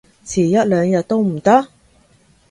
遲一兩日都唔得？